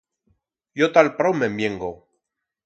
Yo ta'l prau me'n viengo.